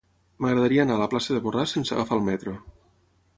M'agradaria anar a la plaça de Borràs sense agafar el metro.